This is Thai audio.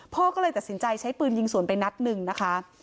พ่อก็เลยตัดสินใจใช้ปืนยิงสวนไปนัดหนึ่งนะคะ